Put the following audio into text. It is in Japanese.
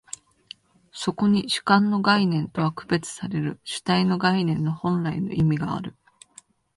そこに主観の概念とは区別される主体の概念の本来の意味がある。